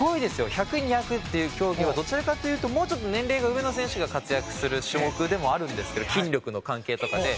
１００２００っていう競技はどちらかというともうちょっと年齢が上の選手が活躍する種目でもあるんですけど筋力の関係とかで。